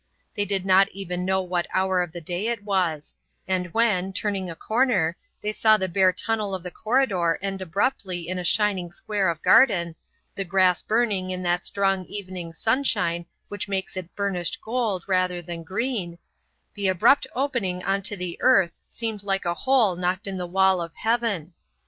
They did not even know what hour of the day it was; and when, turning a corner, they saw the bare tunnel of the corridor end abruptly in a shining square of garden, the grass burning in that strong evening sunshine which makes it burnished gold rather than green, the abrupt opening on to the earth seemed like a hole knocked in the wall of heaven.